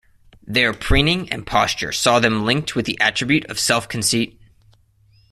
Their preening and posture saw them linked with the attribute of self-conceit.